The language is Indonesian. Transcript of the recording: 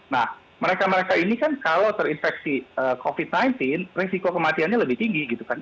nah mereka mereka ini kan kalau terinfeksi covid sembilan belas resiko kematiannya lebih tinggi gitu kan